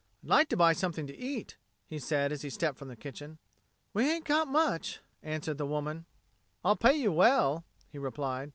"I'd like to buy something to eat," he said as he stepped from the kitchen. "We ain't got much," answered the woman. "I'll pay you well," he replied.